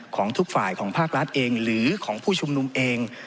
ของทุกฝ่ายของภาครัฐเองหรือของผู้ชุมนุมเอง